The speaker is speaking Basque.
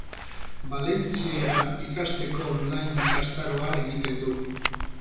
Valentziera ikasteko online ikastaroa egiten du.